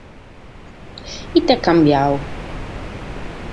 It’est cambiadu?